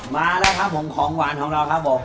มาแล้วครับผมของหวานของเราครับผม